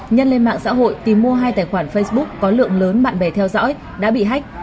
nhân lên mạng xã hội tìm mua hai tài khoản facebook có lượng lớn bạn bè theo dõi đã bị hách